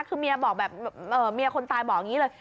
คือเมียบอกแบบเมียคนตายบอกอย่างนี้เลย